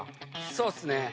そうっすね。